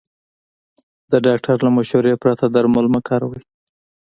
د ډاکټر له مشورې پرته درمل مه کاروئ.